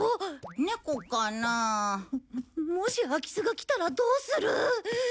猫かな？ももし空き巣が来たらどうする？